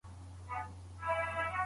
حج ته تلونکي کسان څنګه معاینه کیږي؟